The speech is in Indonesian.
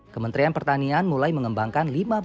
kementerian pertanian mulai mengembangkan